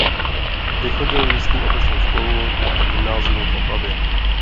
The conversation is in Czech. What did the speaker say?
Vychodil místní obecnou školu a gymnázium v Opavě.